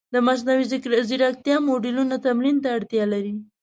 د مصنوعي ځیرکتیا موډلونه تمرین ته اړتیا لري.